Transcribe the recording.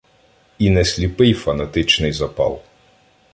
І не сліпий фанатичний запал.